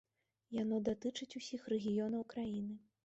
Яно датычыць усіх рэгіёнаў краіны.